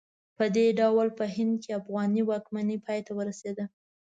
په دې ډول په هند کې افغاني واکمنۍ پای ته ورسېده.